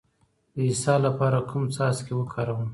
د اسهال لپاره کوم څاڅکي وکاروم؟